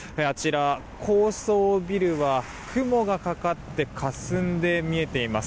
高層ビルは雲がかかってかすんで見えています。